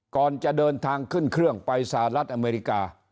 ก่อนจะเดินทางขึ้นเครื่องไปสหรัฐอเมริกา